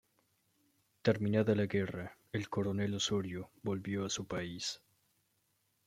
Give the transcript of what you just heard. Terminada la guerra, el coronel Osorio volvió a su país.